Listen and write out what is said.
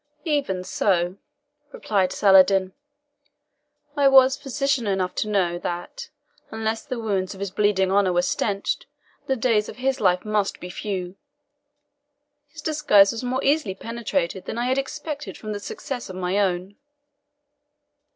"Even so," replied Saladin. "I was physician enough to know that, unless the wounds of his bleeding honour were stanched, the days of his life must be few. His disguise was more easily penetrated than I had expected from the success of my own."